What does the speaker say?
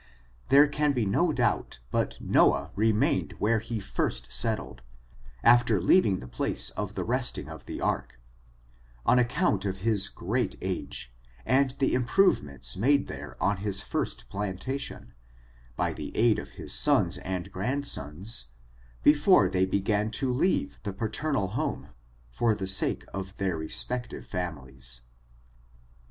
There can be no doubt but Noah remained where he first settled, after leaving the place of the resting of the ark, on account of his great age, and the improvements made there on his first plantation, by the aid of his sons and grandsons, before they be gan to leave the paternal home, for the sake of their respective families.